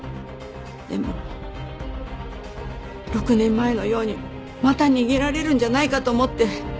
でも６年前のようにまた逃げられるんじゃないかと思って。